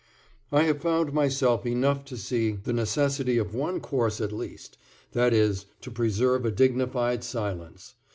I have found myself enough to see the necessity of one course at least, that is, to preserve a dignified silence.